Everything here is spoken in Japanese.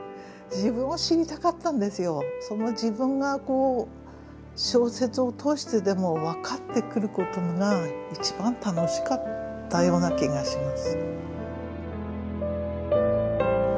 その自分が小説を通してでも分かってくることが一番楽しかったような気がします。